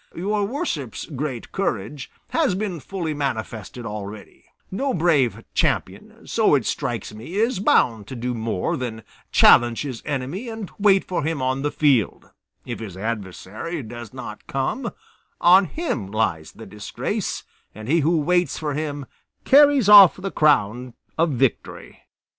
Your worship's great courage has been fully manifested already; no brave champion, so it strikes me, is bound to do more than challenge his enemy and wait for him on the field; if his adversary does not come, on him lies the disgrace, and he who waits for him carries off the crown of victory."